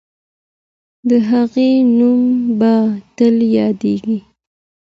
د هغې نوم به تل یادېږي.